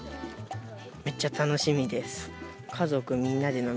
めっちゃ楽しみです。